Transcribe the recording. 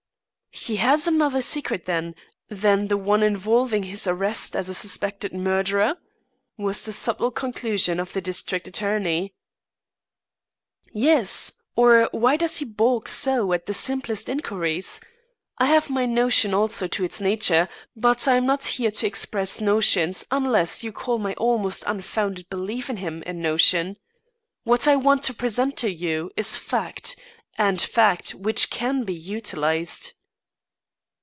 "He has another secret, then, than the one involving his arrest as a suspected murderer?" was the subtle conclusion of the district attorney. "Yes, or why does he balk so at the simplest inquiries? I have my notion as to its nature; but I'm not here to express notions unless you call my almost unfounded belief in him a notion. What I want to present to you is fact, and fact which can be utilised."